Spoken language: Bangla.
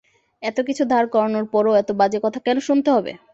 এত কিছু দাঁড় করানোর পরও এত বাজে কথা কেন শুনতে হবে?